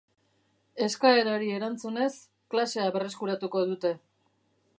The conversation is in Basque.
Eskaerari erantzunez, klasea berreskuratuko dute.